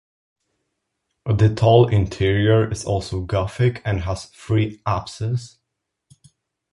The tall interior is also Gothic and has three apses.